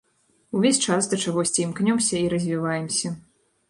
Увесь час да чагосьці імкнёмся і развіваемся.